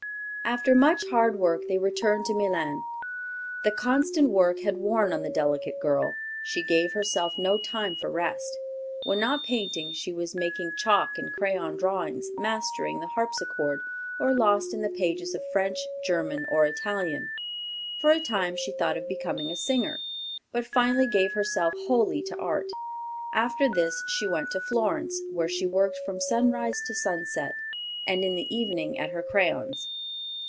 After much hard work, they returned to Milan. The constant work had worn on the delicate girl. She gave herself no time for rest. When not painting, she was making chalk and crayon drawings, mastering the harpsichord, or lost in the pages of French, German, or Italian. For a time she thought of becoming a singer; but finally gave herself wholly to art. After this she went to Florence, where she worked from sunrise to sunset, and in the evening at her crayons.